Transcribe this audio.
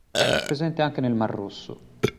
Presente anche nel mar Rosso.